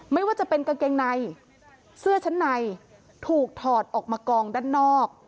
ไม่ว่าจะเป็นกางเกงในเสื้อชั้นในถูกถอดออกมากองด้านนอก